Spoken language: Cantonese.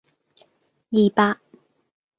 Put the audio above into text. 二百